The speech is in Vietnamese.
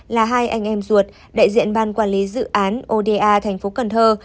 là hai anh em ruột đại diện ban quản lý dự án oda tp cần thơ